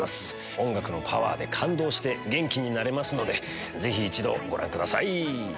音楽のパワーで感動して元気になれますのでぜひ一度ご覧ください。